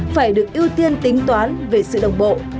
phải được ưu tiên tính toán về sự đồng bộ